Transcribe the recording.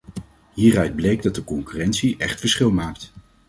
Hieruit bleek dat concurrentie echt verschil maakt.